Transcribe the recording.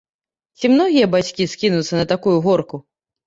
Ці многія бацькі скінуцца на такую горку?